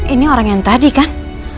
ini orang yang tadi kan